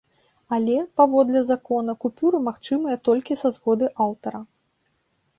Але, паводле закона, купюры магчымыя толькі са згоды аўтара.